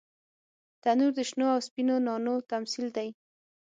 تنور د شنو او سپینو نانو تمثیل دی